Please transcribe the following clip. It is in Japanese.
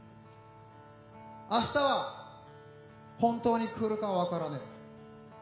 明日は本当に来るかはわからねえ。